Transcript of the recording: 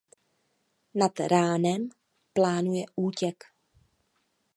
Nad ránem plánuje útěk.